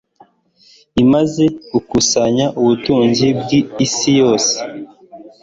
Imaze gukusanya ubutunzi bw'isi yose